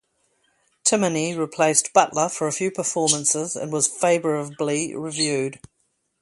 Timoney replaced Butler for a few performances and was very favorably reviewed.